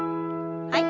はい。